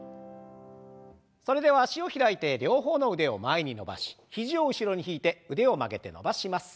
それでは脚を開いて両方の腕を前に伸ばし肘を後ろに引いて腕を曲げて伸ばします。